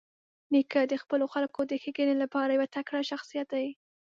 نیکه د خپلو خلکو د ښېګڼې لپاره یو تکړه شخصیت دی.